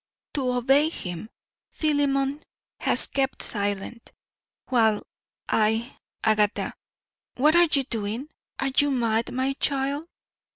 To obey him, Philemon has kept silent, while I Agatha, what are you doing? Are you mad, my child?"